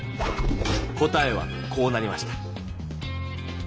答えはこうなりました。